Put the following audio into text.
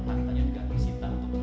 berjalan terus berjalan